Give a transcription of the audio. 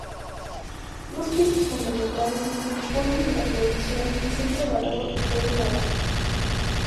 Dos piezas fundamentales se incorporan a la producción: Vicente Alvarado y Peggy Navarro.